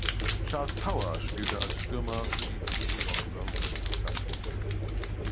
Charles Power spielte als Stürmer für die Three Rock Rovers aus Dublin.